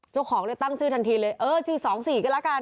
เจ้าของเลยตั้งชื่อทันทีเลยเออชื่อสองศรีกันละกัน